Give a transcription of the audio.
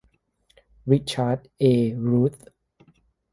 ริชาร์ด เอ รูธ